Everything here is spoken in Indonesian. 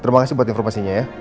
terima kasih buat informasinya ya